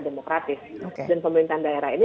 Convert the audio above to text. demokratis dan pemerintahan daerah ini